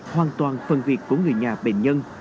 hoàn toàn phần việc của người nhà bệnh nhân